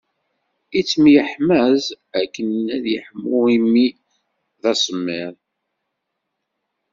Ittemyeḥmaẓ akken ad yeḥmu imi d asemmiḍ.